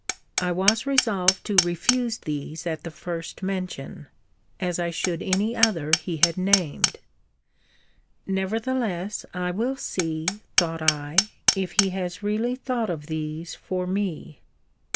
I was resolved to refuse these at the first mention, as I should any other he had named. Nevertheless, I will see, thought I, if he has really thought of these for me.